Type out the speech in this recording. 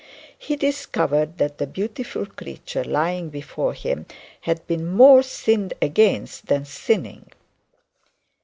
He discovered that the beautiful creature lying before him had been more sinned against than sinning.